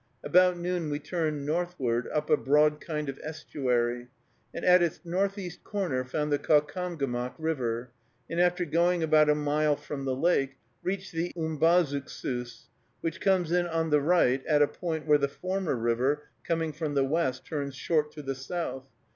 About noon we turned northward, up a broad kind of estuary, and at its northeast corner found the Caucomgomoc River, and after going about a mile from the lake, reached the Umbazookskus, which comes in on the right at a point where the former river, coming from the west, turns short to the south.